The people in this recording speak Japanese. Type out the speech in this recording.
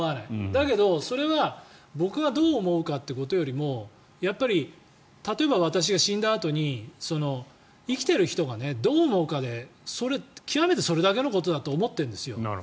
だけどそれは僕がどう思うかということよりもやっぱり例えば私が死んだあとに生きている人がどう思うかで極めてそれだけのことだと思ってるんですよ。